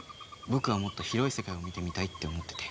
僕はもっと広い世界を見てみたいって思ってて。